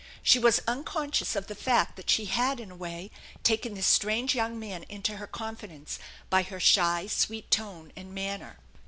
She was unconscious of the fact that she had in a way taken this strange young man into her confidence by her shy, sweet tone and manner.